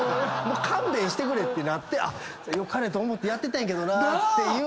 勘弁してくれってなって善かれと思ってやってたんやけどなっていうのが。